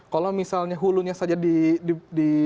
kalau misalnya hulunya saja di